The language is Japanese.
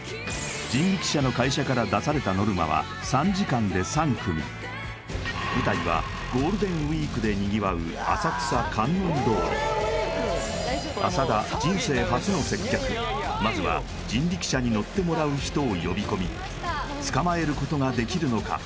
人力車の会社から出されたノルマは３時間で３組舞台はゴールデンウイークでにぎわう浅草・観音通り浅田まずは人力車に乗ってもらう人を呼び込みつかまえることができるのか？